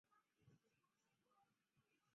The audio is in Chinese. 时年三十有九。